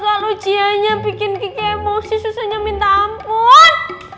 kenapa sih tadi itu soal soal ujianya bikin kiki emosi susahnya minta ampun